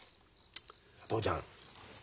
父ちゃん。